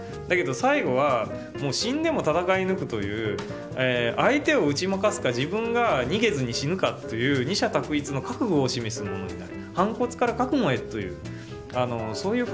だけど最後はもう死んでも戦い抜くという相手を打ち負かすか自分が逃げずに死ぬかという二者択一の覚悟を示すものになる。